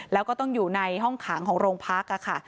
แล้วก็ต้องอยู่ในห้องขังของโรงพักค่ะ